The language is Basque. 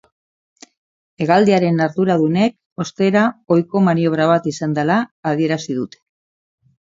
Hegaldiaren arduradunek, ostera, ohiko maniobra bat izan dela adierazi dute.